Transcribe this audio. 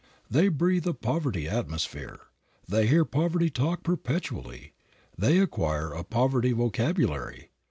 They breathe a poverty atmosphere. They hear poverty talk perpetually. They acquire a poverty vocabulary.